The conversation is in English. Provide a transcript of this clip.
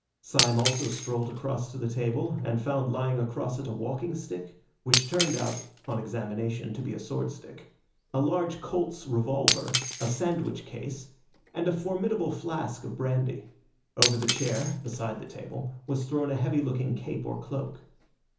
Syme also strolled across to the table, and found lying across it a walking stick, which turned out on examination to be a sword stick, a large Colt's revolver, a sandwich case, and a formidable flask of brandy. Over the chair, beside the table, was thrown a heavy looking cape or cloak.